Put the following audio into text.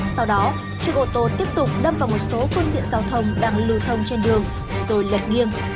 sau đó chiếc ô tô tiếp tục đâm vào một số phương tiện giao thông đang lưu thông trên đường rồi lật nghiêng